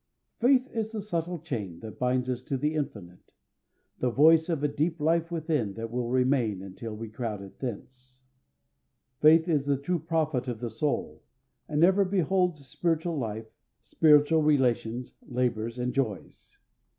] "Faith is the subtle chain That binds us to the infinite; the voice Of a deep life within, that will remain Until we crowd it thence." Faith is the true prophet of the soul, and ever beholds a spiritual life, spiritual relations, labors, and joys.